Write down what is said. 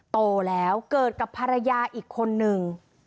โตแล้วเกิดกับภรรยาอีกคนนึง